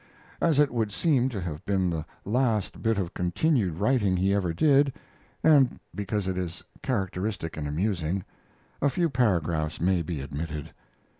As it would seem to have been the last bit of continued writing he ever did, and because it is characteristic and amusing, a few paragraphs may be admitted.